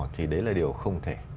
thì đấy là điều không thể